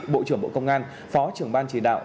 bộ trưởng bộ công an phó trưởng ban chỉ đạo